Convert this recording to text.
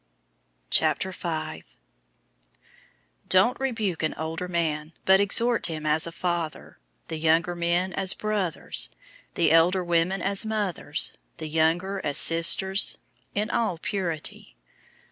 005:001 Don't rebuke an older man, but exhort him as a father; the younger men as brothers; 005:002 the elder women as mothers; the younger as sisters, in all purity.